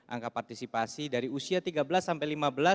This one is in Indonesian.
angka partisipasi dari usia tiga belas sampai lima belas